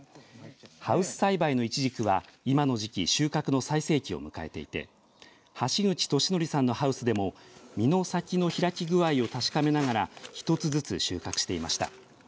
ハウス栽培のイチジクは今の時期収穫の最盛期を迎えていて橋口俊徳さんのハウスでも実の先の開き具合を確かめながら一つずつ収穫していました。